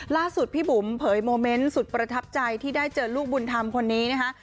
ล่าสุดพี่บุ๋มเผยโมเมนต์สุดประทับใจที่ได้เจอลูกบุญธรรมคนนี้นะคะ